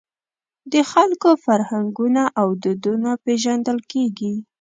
د خلکو فرهنګونه او دودونه پېژندل کېږي.